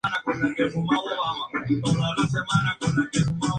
Además, algunos tienen incluidos sistemas de anti-vibración para lograr un mejor control.